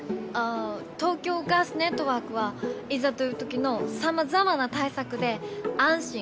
あ東京ガスネットワークはいざという時のさまざまな対策で安心・安全を守っています！